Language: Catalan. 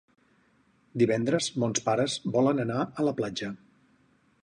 Divendres mons pares volen anar a la platja.